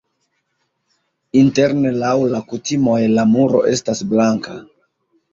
Interne laŭ la kutimoj la muro estas blanka.